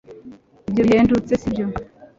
ibyo bihendutse, sibyo